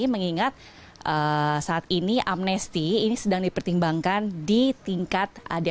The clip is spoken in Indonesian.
mengingat saat ini amnesti ini sedang dipertimbangkan di tingkat